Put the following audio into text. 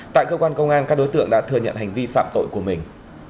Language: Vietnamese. tại cơ quan công an các đối tượng đã thừa nhận hành vi phạm tội của mình